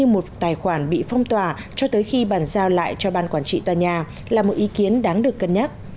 một tài khoản bị phong tỏa cho tới khi bàn giao lại cho ban quản trị tòa nhà là một ý kiến đáng được cân nhắc